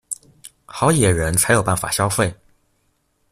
好野人才有辦法消費